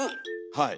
はい。